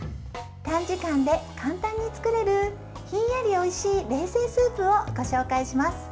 短時間で簡単に作れるひんやりおいしい冷製スープをご紹介します。